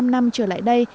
năm năm trở lại đây